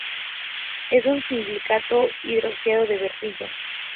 Es un silicato hidroxilado de berilio.